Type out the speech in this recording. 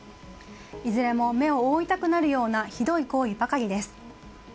いずれも目を覆いたくなるようなひどい行為ばかりです。